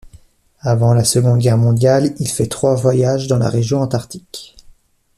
Avant la Seconde Guerre mondiale, il fait trois voyages dans la région antarctique.